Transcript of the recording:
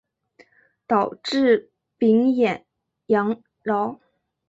导致丙寅洋扰。